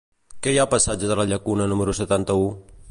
Què hi ha al passatge de la Llacuna número setanta-u?